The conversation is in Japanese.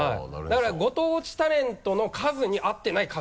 だからご当地タレントの数に合ってない数。